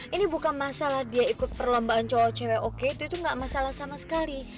ini bukan masalah dia ikut perlombaan cowok cewek oke itu nggak masalah sama sekali